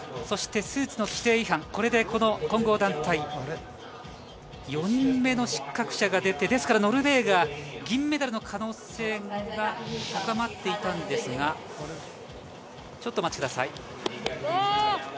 そして、スーツの規定違反はこれで、この混合団体４人目の失格者が出てノルウェーが銀メダルの可能性が高まっていたんですがお待ちください。